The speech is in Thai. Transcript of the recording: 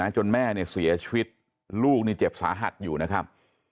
จนแม่เสียชีวิตลูกนี่เจ็บสาหัสอยู่นะครับ